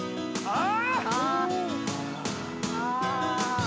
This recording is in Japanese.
ああ。